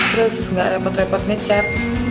terus tidak repot repotnya cat